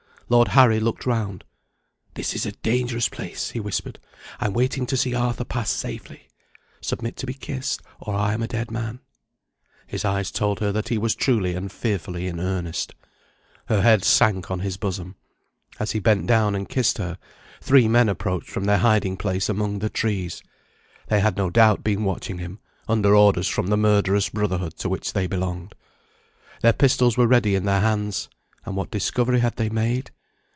Lord Harry looked round. "This is a dangerous place," he whispered; "I'm waiting to see Arthur pass safely. Submit to be kissed, or I am a dead man." His eyes told her that he was truly and fearfully in earnest. Her head sank on his bosom. As he bent down and kissed her, three men approached from their hiding place among the trees. They had no doubt been watching him, under orders from the murderous brotherhood to which they belonged. Their pistols were ready in their hands and what discovery had they made?